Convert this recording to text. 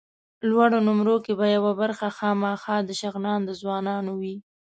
لوړو نومرو کې به یوه برخه خامخا د شغنان د ځوانانو وي.